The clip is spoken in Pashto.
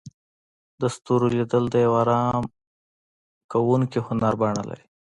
د ستورو لیدل د یو آرام کوونکي هنر بڼه لري.